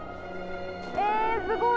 えー、すごい！